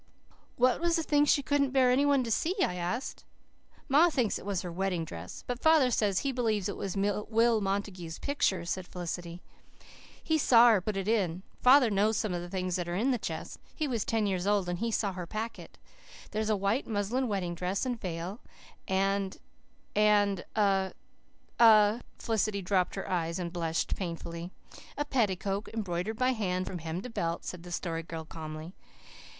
"What was the thing she couldn't bear any one to see?" I asked. "Ma thinks it was her wedding dress. But father says he believes it was Will Montague's picture," said Felicity. "He saw her put it in. Father knows some of the things that are in the chest. He was ten years old, and he saw her pack it. There's a white muslin wedding dress and a veil and and a a" Felicity dropped her eyes and blushed painfully. "A petticoat, embroidered by hand from hem to belt," said the Story Girl calmly.